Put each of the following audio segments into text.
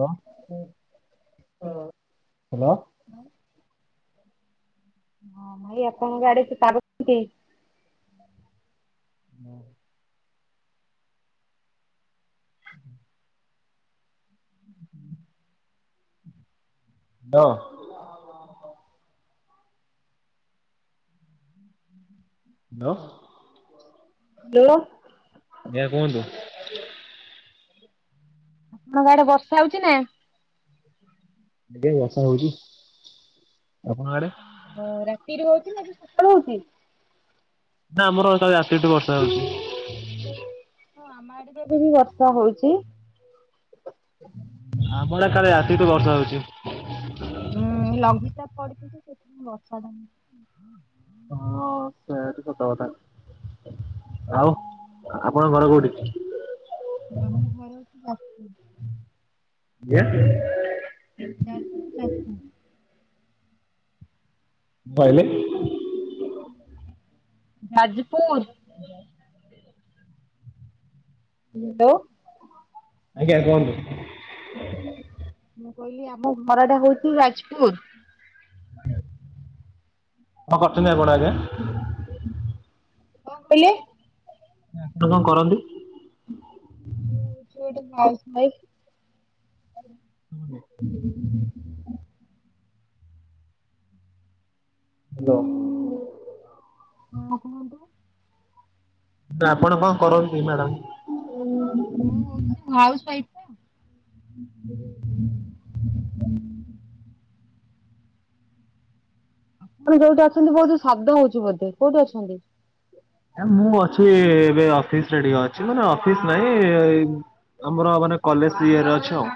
Hello, hello. ଭାଇ ହଁ ଭାଇ ଆପଣଙ୍କ ଆଡେ ସେ [inaudible] [unintelligible] ବ ଦ ବେଳ ଜ୍ଞା କୁହନ୍ତୁ। ତୋମ ଆଡେ ବର୍ଷା ହଉଚି ନା? ଏଠି ବର୍ଷା ହଉଚି। ଆପଣଙ୍କ ଆଡେ? ହଁ ରାତିରୁ ହଉଛି ନା ଏବେ ସକାଳୁ ହଉଛି? ନା ଆମର କାଲି ରାତିଠୁ ବର୍ଷା ହଉଛି। ହଁ ଆମ ଆଡେ ଏବେ ବି ବର୍ଷା ହଉଛି। ଆମ ଆଡେ କାଲି ରାତି ଠୁ ବର୍ଷା ହଉଚି। ହୁଁ ଲଘୁଚାପ ପଡିଚି ଯେ ସେଥିପାଇଁ ବର୍ଷା [unintelligible] ହଁ ସେ ସତ କଥା। ଆଉ ଆ, ଆପଣଙ୍କ ଘର କୋଉଠି? ଆମ ଘର ସେ [unintelligible] ଯେ [inaudible] ଯାଜପୁ, ଯାଜପୁ। ବୋଇଲେ ଯାଜପୁର। [inaudible] ହ୍ୟାଲୋ ଆଜ୍ଞା କୁହନ୍ତୁ। ମୁଁ କହିଲି ଆମ ଘର ଟା ହଉଚି ଯାଜପୁର। କଣ କରୁଛନ୍ତି ଆପଣ ଆଜ୍ଞା? କଣ କହିଲେ? ଆପଣ କଣ କରନ୍ତି? ମୁଁ ସେଇଠି [unintelligible] ହାଲୋ। ହଁ କୁହନ୍ତୁ। ତ ଆପଣ କଁ କରନ୍ତି ମ୍ୟାଡାମ୍। ହଉଛି ସେ ମୁଁ ହାଉସ୍ ୱାଇଫ ପା। [unintelligible] ଆପଣ ଯୋଉଠି ଅଛନ୍ତି ବୋହୁତୁ ଶବ୍ଦ ହୋଉଚି ବୋଧେ କୋଉଠି ଅଛନ୍ତି। ଆଁ ମୁଁ ଅଛି ଏବେ ଅଫିସ୍ ରେ ଟିକେ ଅଛି ମାନେ ଅଫିସ ନାଇଁ ଇଏ ଏଇ ଆମର ମାନେ କଲେଜ ଇଏରେ ଅଛି ଆଉ।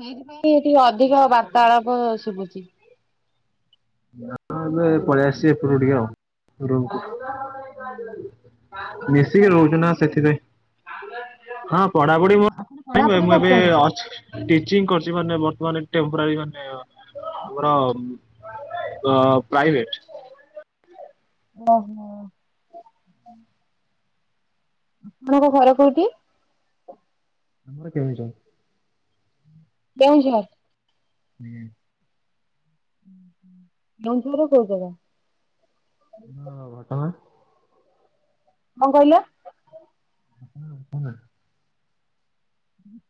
ସେଇଥିପାଇଁ ଟିକେ ଅଧିକ ବାର୍ତ୍ତାଳାପ ଶୁବୁଚି। ନାଁ ମୁଁ ଏବେ ପଳେଇ ଆସିଚି ଏପଟକୁ ଟିକେ ଆଉ ଦୂରକୁ ଆପଣ ମିଶିକି ରୋହୁଚୁ ପଢାପଢି ନା କରୁଛନ୍ତି? ସେଥିପାଇଁ। ହଁ ପଢାପଢି ଆପଣ ମୋର୍ ପଢାପଢି ମୁଁ ଏବେ କରୁଛନ୍ତି? ଅଛି। ଟିଚିଙ୍ଗି କରିଚି ମାନେ ବର୍ତ୍ତମାନ ଏ ଟେମ୍ପ୍ରାରି ମାନେ ଆମର ଅଁ ପ୍ରାଇଭେଟ୍। ଓହୋ। ଆପଣଙ୍କ ଘର କୋଉଠି? ଆମର କେଉଁଝର। କେଉଁଝର। ହୁଁ। ଉଁହୁଁ କେଉଁଝର ର କୋଉ ଜାଗା। [unintelligible] ଘଟଗାଁ। କଁ କହିଲ? [unintelligible]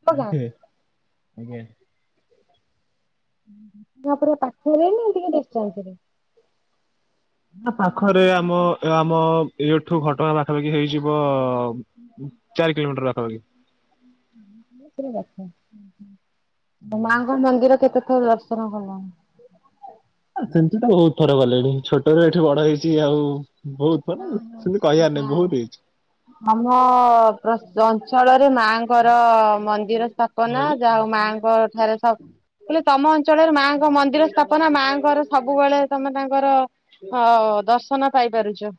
କୋଉ ଗାଁ? ଏବେ ଆଜ୍ଞା। [inaudible] ପୁରା ପାଖେରେ ନା ଟିକେ ଡିଷ୍ଟାନ୍ସରେ। ନେ ପାଖରେ ଆମ ଆମ ଏଠୁ ଘଟଗାଁ ପାଖାପାଖି ହେଇଯିବ ଉଁ ଚାରି କିଲୋମିଟର ପାଖାପାଖି। ପୁରା ପାଖ ଉଁହୁଁ ଉ ମାଆଙ୍କର ମନ୍ଦିର କେତେଥର ଦର୍ଶନ କଲଣି। ଆ ସେମିତି ତ ବୋହୁତ ଥର ଗଲେଣି ଛୋଟୋରୁ ଏଠି ବଡ ହେଇଚି ଆଉ। ବୋହୁତ ହଁ ମାନେ ସେମିତି କହିବାର ନାହିଁ ବୋହୁତ ହେଇଛି। ମମ ପ୍ରସ ଅଞ୍ଚଳରେ ମାଆଙ୍କର ମନ୍ଦିର ସ୍ଥା କଣ କନା କହିଲେ? ଯାଉ ମାଆଙ୍କ ଠାରେ ସବ କହିଲି ତମ ଅଞ୍ଚଳରେ ମାଆଙ୍କ ମନ୍ଦିର ସ୍ଥାପନା ମାଆଙ୍କର ସବୁବୋଳେ ତମେ ତାଙ୍କର ହଁ ଦର୍ଶନ ପାଇପାରୁଚୁ।